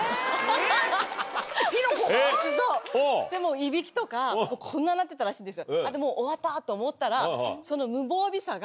いびきとかこんななってたらしいんですよ。